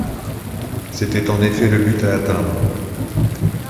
C’était en effet le but à atteindre